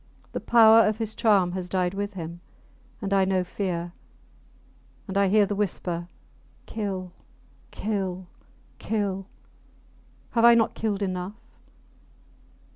The power of his charm has died with him. And I know fear; and I hear the whisper, Kill! kill! kill! ... Have I not killed enough?